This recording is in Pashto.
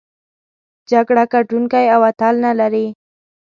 جګړه ګټوونکی او اتل نلري.